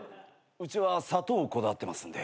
うちは砂糖こだわってますんで。